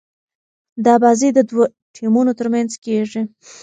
دا بازي د دوه ټيمونو تر منځ کیږي.